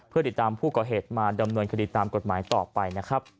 เพื่อติดตามผู้ก่อเหตุมาดำเนินคดีตามกฎหมายต่อไปนะครับ